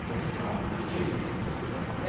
できる人なのかもしれないからね。